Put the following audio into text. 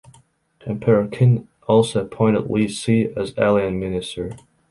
Emperor Qin also appointed Li Si as alien minister.